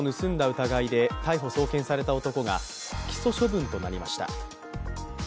疑いで逮捕・送検された男が不起訴処分となりました。